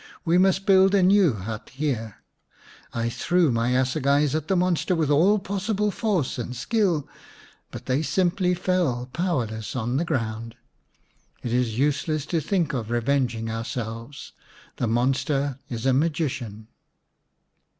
" We must build a new hut here. I threw my assegais at the monster with all possible force and skill, but they simply fell powerless on the 228 xix The Beauty and the Beast ground. It is useless to think of revenging ourselves, the monster is a magician."